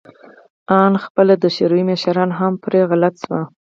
آن خپله د شوروي مشران هم پرې غلط شوي وو